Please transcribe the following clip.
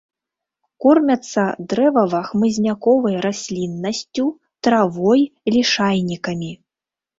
Кормяцца дрэвава-хмызняковай расліннасцю, травой, лішайнікамі.